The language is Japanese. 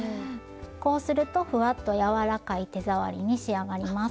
こうするとふわっと柔らかい手触りに仕上がります。